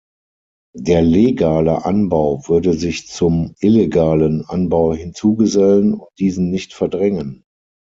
Der legale Anbau würde sich zum illegalen Anbau hinzugesellen und diesen nicht verdrängen.